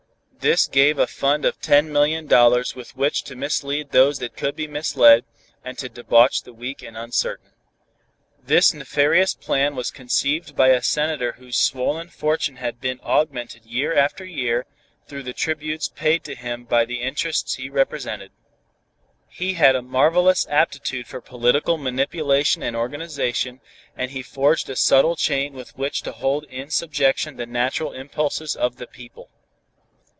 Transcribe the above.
This gave a fund of ten million dollars with which to mislead those that could be misled, and to debauch the weak and uncertain. This nefarious plan was conceived by a senator whose swollen fortune had been augmented year after year through the tributes paid him by the interests he represented. He had a marvelous aptitude for political manipulation and organization, and he forged a subtle chain with which to hold in subjection the natural impulses of the people.